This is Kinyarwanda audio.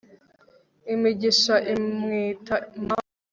imigisha imwita mama